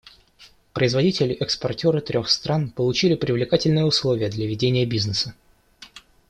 Производители-экспортеры трех стран получили привлекательные условия для ведения бизнеса.